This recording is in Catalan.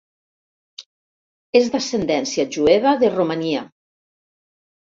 És d'ascendència jueva de Romania.